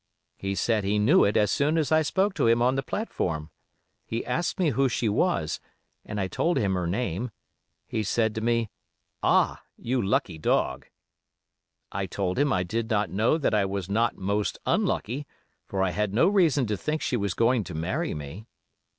He said he knew it as soon as I spoke to him on the platform. He asked me who she was, and I told him her name. He said to me, 'Ah! you lucky dog.' I told him I did not know that I was not most unlucky, for I had no reason to think she was going to marry me.